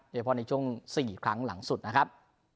เฉพาะในช่วง๔ครั้งหลังสุดนะครับ